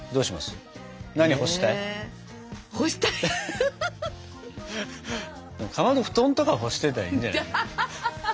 かまど布団とか干してたらいいんじゃないの？